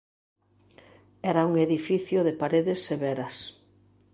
Era un edificio de paredes severas.